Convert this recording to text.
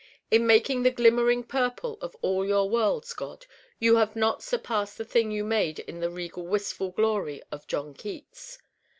In making the glimmering Purple of all your worlds, God, you have not surpassed the thing you made in the regal wistful glory of John Keats.